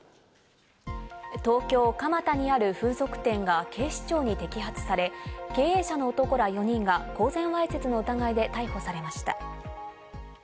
東京・蒲田にある風俗店が警視庁に摘発され、経営者の男ら４人が公然わいせつの疑いで逮捕されました。